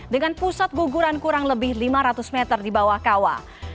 dengan pusat guguran kurang lebih lima ratus meter di bawah kawah